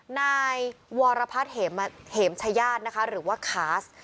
นายวรพัฒน์เหมชายาศนะคะหรือว่าคาส